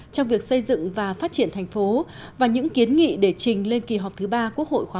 trong việc xây dựng và phát triển thành phố và những kiến nghị để trình lên kỳ họp thứ ba quốc hội khóa một mươi